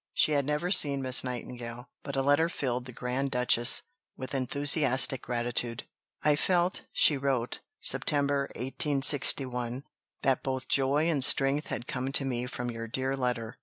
She had never seen Miss Nightingale, but a letter filled the Grand Duchess with enthusiastic gratitude. "I felt," she wrote (Sept. 1861), "that both joy and strength had come to me from your dear letter.